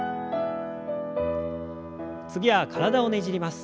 次は体をねじります。